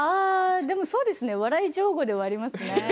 そうですね笑い上戸でもありますね。